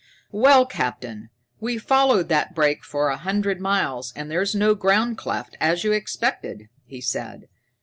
"Well, Captain, we followed that break for a hundred miles, and there's no ground cleft, as you expected," he said.